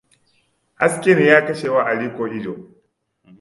Hasken ya kashewa Aliko ido.